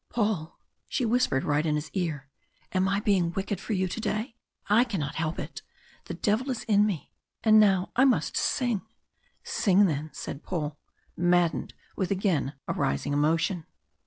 "Paul!" she whispered right in his ear, "am I being wicked for you to day? I cannot help it. The devil is in me and now I must sing." "Sing then!" said Paul, maddened with again arising emotion.